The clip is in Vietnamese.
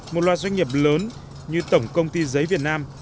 một loạt doanh nghiệp lớn như tổng công ty giấy việt nam